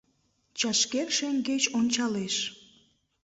Чашкер шеҥгеч ончалеш.